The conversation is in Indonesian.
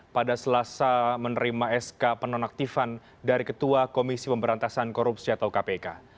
pada selasa menerima sk penonaktifan dari ketua komisi pemberantasan korupsi atau kpk